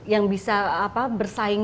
yang bisa apa bersaing